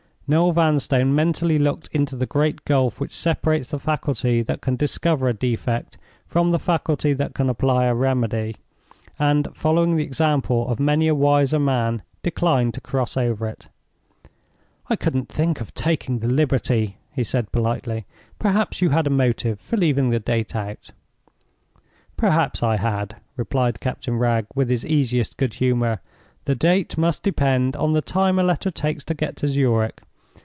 Noel Vanstone mentally looked into the great gulf which separates the faculty that can discover a defect, from the faculty that can apply a remedy, and, following the example of many a wiser man, declined to cross over it. "I couldn't think of taking the liberty," he said, politely. "Perhaps you had a motive for leaving the date out?" "Perhaps I had," replied Captain Wragge, with his easiest good humor. "The date must depend on the time a letter takes to get to Zurich.